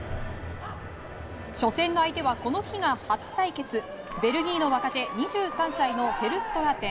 初戦の相手は、この日が初対決ベルギーの若手２３歳のフェルストラーテン。